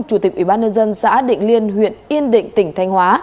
chủ tịch ủy ban nhân dân xã định liên huyện yên định tỉnh thanh hóa